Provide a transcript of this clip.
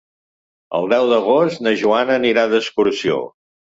El deu d'agost na Joana anirà d'excursió.